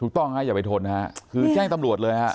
ถูกต้องไงอย่าไปทนนะฮะคือแกล้งตำรวจเลยฮะ